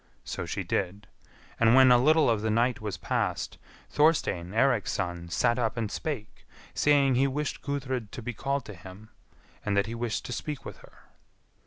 So she did, and when a little of the night was past, Thorstein, Eirik's son, sat up and spake, saying he wished Gudrid to be called to him, and that he wished to speak with her.